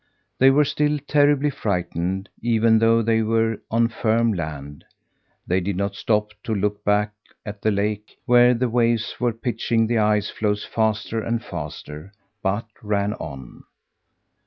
They were still terribly frightened, even though they were on firm land. They did not stop to look back at the lake where the waves were pitching the ice floes faster and faster but ran on.